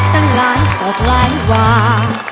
ตั้งหลานสกหลายหว่า